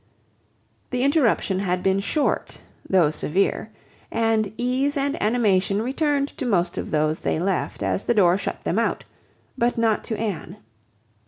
The interruption had been short, though severe, and ease and animation returned to most of those they left as the door shut them out, but not to Anne.